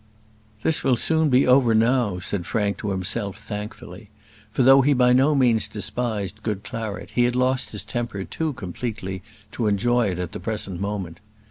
"This will soon be over now," said Frank, to himself, thankfully; for, though he be no means despised good claret, he had lost his temper too completely to enjoy it at the present moment.